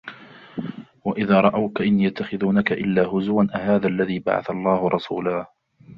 وَإِذَا رَأَوْكَ إِنْ يَتَّخِذُونَكَ إِلَّا هُزُوًا أَهَذَا الَّذِي بَعَثَ اللَّهُ رَسُولًا